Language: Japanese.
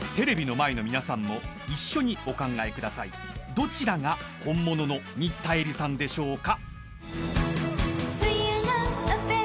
［どちらが本物の新田恵利さんでしょうか？］